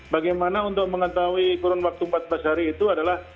bagaimana untuk mengetahui kurun waktu empat belas hari itu adalah